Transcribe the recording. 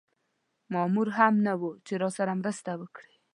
مامور هم نه و چې راسره مرسته وکړي.